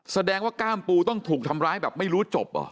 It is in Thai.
แสดงว่ากล้ามปูต้องถูกทำร้ายแบบไม่รู้จบเหรอ